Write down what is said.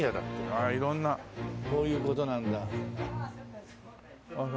色んなこういう事なんだ。